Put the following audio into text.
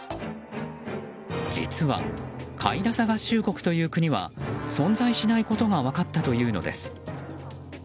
実はカイラサ合衆国という国は存在しないことが分かったというのです。